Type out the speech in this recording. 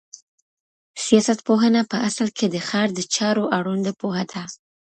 سياستپوهنه په اصل کې د ښار د چارو اړونده پوهه ده.